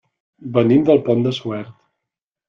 Venim del Pont de Suert.